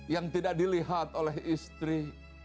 yang tidak dilihat oleh istri